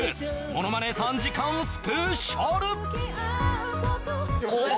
ものまね３時間スペシャル！